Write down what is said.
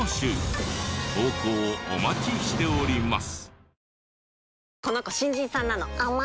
投稿お待ちしております。